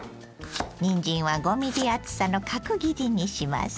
にんじんは５ｍｍ厚さの角切りにします。